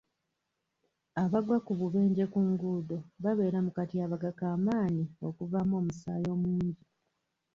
Abagwa ku bubenje ku nguudo babeera mu katyabaga ka maanyi okuvaamu omusaayi omungi.